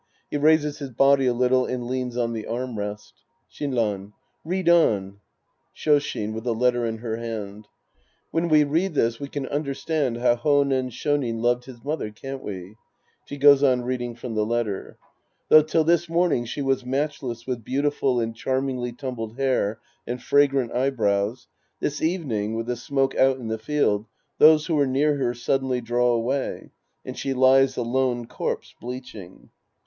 He raises his body a little and leans on the arm rest^ Shinran. Read on. Shoshin {with a letter in her hand). When we read this, we can understand how H5nen Shonin loved his mother, can't we ? {She goes on reading from the letter^ Though till this morning, she was matchless with beautiful and chariningly tumbled hair and fragrant eyebrows, this evening, with the smoke out in the field, those who were near her suddenly draw away and she lies a lone corpse bleaching.